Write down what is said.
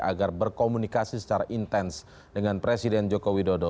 agar berkomunikasi secara intens dengan presiden jokowi dodo